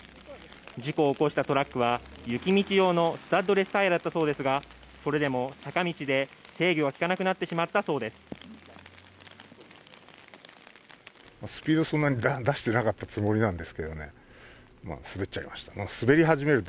事故を起こしたトラックは雪道用のスタッドレスタイヤだったそうですがそれでも坂道で制御が利かなくなってしまったそうです。